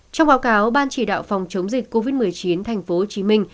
trong báo cáo ban chỉ đạo phòng chống dịch covid một mươi chín tp hcm